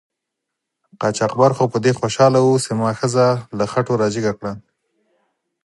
قاچاقبر خو په دې خوشحاله و چې ما ښځه له خټو را جګه کړه.